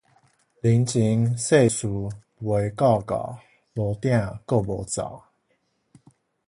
人情世事陪到到，無鼎閣無灶